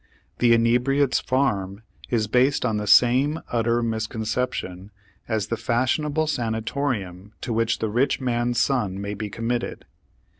The inebriates' farm is based on the same utter misconception as the fashionable sanatorium to which the rich man's son may be committed.